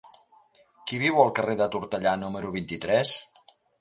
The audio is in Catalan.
Qui viu al carrer de Tortellà número vint-i-tres?